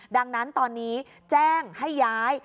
ดังนั้นตอนนี้แจ้งให้ย้าย